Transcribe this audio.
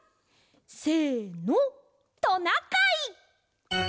せのトナカイ！